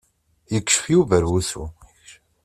Yekcef Yuba ar wusu.